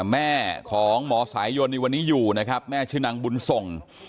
แม่ของหมอสายยนในวันนี้อยู่นะครับแม่ชื่อนางบุญส่ง